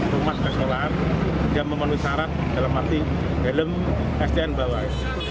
keumat keselamatan dia memenuhi syarat dalam arti dalam sdn bawah